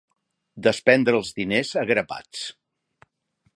Despendre els diners a grapats.